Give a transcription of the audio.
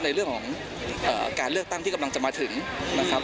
ในเรื่องของการเลือกตั้งที่กำลังจะมาถึงนะครับ